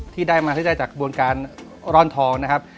ที่ได้มาที่ได้จากบนการร่อนทองนะครับ